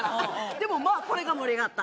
でもまあこれが盛り上がった。